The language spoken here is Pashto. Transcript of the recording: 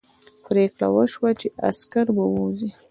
پرېکړه وشوه چې عسکر به ووځي.